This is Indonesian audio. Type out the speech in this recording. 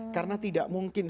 karena tidak mungkin